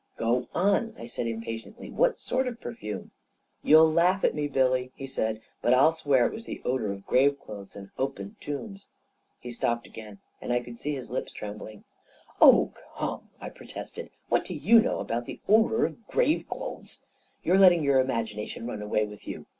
II Go on," I said impatiently. " What sort of perfume ?"" You'll laugh at me, Billy," he said, " but I'll A KING IN BABYLON 123 swear it was the odor of grave clothes, of opened tombs ••. He stopped again, and I could see his lips trem bling. " Oh, come !" I protested. " What do you know about the odor of grave clothes? You're letting your imagination run away with you.